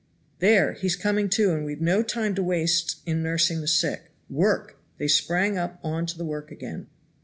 "There, he's coming to, and we've no time to waste in nursing the sick. Work!" and they sprang up on to the work again.